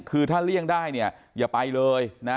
คือถ้าเลี้ยงได้อย่าไปเลย